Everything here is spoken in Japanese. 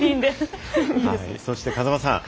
そして、風間さん